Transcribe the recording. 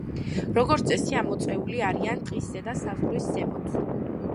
როგორც წესი, ამოწეული არიან ტყის ზედა საზღვრის ზემოთ.